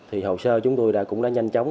hồ sơ chúng tôi cũng đã nhanh chóng